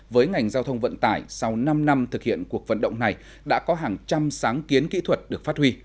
với ngành giao thông vận tải sau năm năm thực hiện cuộc vận động này đã có hàng trăm sáng kiến kỹ thuật được phát huy